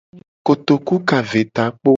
Kotoku ka ve takpo.